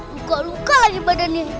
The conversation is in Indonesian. luka luka lagi badannya